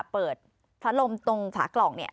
เปิดพัดลมตรงฝากล่องเนี่ย